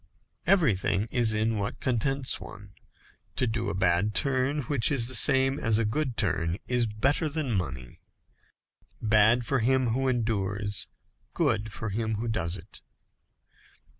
Everything is in what contents one. To do a bad turn, which is the same as a good turn, is better than money. Bad for him who endures, good for him who does it.